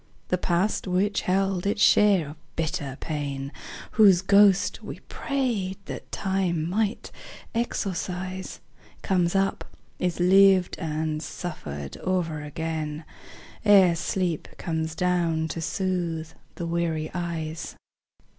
The past which held its share of bitter pain, Whose ghost we prayed that Time might exorcise, Comes up, is lived and suffered o'er again, Ere sleep comes down to soothe the weary eyes.